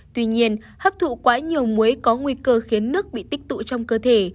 tuy nhiên hấp thụ quá nhiều muối có nguy cơ khiến nước bị tích tụ trong cơ thể